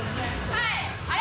はい。